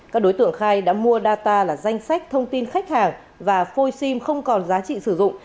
các đối tượng khai đã mua data là danh sách thông tin khách hàng và phôi sim không còn giá trị sử dụng